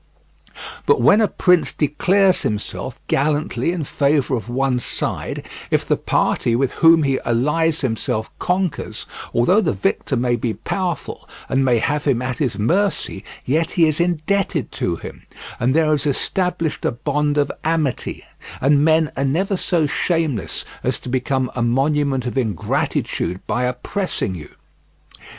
But when a prince declares himself gallantly in favour of one side, if the party with whom he allies himself conquers, although the victor may be powerful and may have him at his mercy, yet he is indebted to him, and there is established a bond of amity; and men are never so shameless as to become a monument of ingratitude by oppressing you.